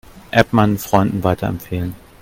App meinen Freunden weiterempfehlen.